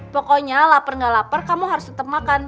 pokoknya lapar gak lapar kamu harus tetep makan